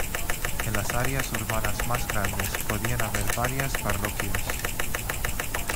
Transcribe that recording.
En las áreas urbanas más grandes podían haber varias parroquias.